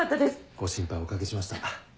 ご心配お掛けしました。